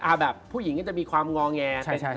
แบบผู้หญิงก็จะมีความงอแง